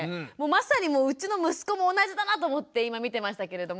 まさにうちの息子も同じだなと思って今見てましたけれども。